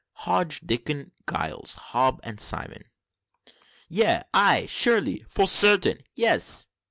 HODGE, DICKON, GILES, HOB, AND SIMON. "Yea! aye! sure_ly_! for sartin! yes!